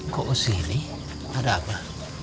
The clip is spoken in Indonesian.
kok kesini ada apa